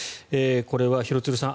これは廣津留さん